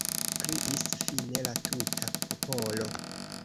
kriis fine la tuta popolo.